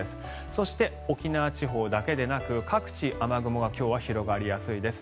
そして、沖縄地方だけでなく各地、雨雲が今日は広がりやすいです。